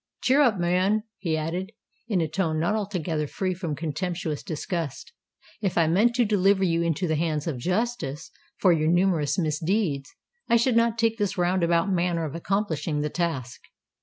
"Cheer up, man," he added, in a tone not altogether free from contemptuous disgust: "if I meant to deliver you into the hands of justice, for your numerous misdeeds, I should not take this round about manner of accomplishing the task.